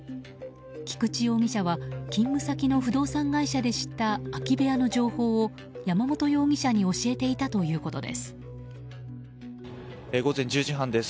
菊池容疑者は勤務先の不動産会社で知った空き部屋の情報を山本容疑者に教えていたということです。